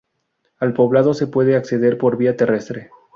Al poblado se puede acceder por vía terrestre.